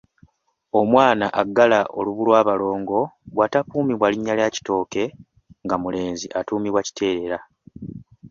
Omwana aggala olubu lw’abalongo bw’atatuumibwa linnya lya Kitooke nga mulenzi atuumibwa Kiteerera.